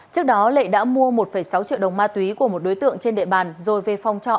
trước đó lệ đã mua một sáu triệu đồng ma túy của một đối tượng trên địa bàn rồi về phòng trọ